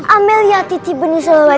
amalia titi benis selawati